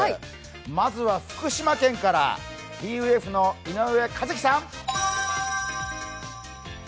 まずは福島県から、ＴＵＦの井上和樹さん。